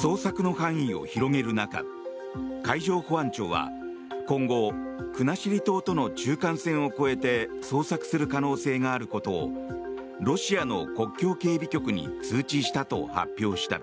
捜索の範囲を広げる中海上保安庁は今後、国後島との中間線を越えて捜索する可能性があることをロシアの国境警備局に通知したと発表した。